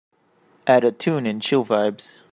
add a tune in Chill Vibes